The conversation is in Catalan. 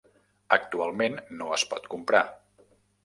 Actualment no es pot comprar.